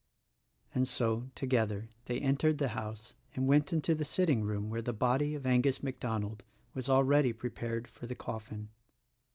And so, together, they entered the house and went into the sitting room where the body of Angus MacDonald was already prepared for the coffin.